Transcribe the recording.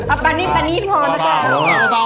เอากะปะนี้พอน๊ะค่ะ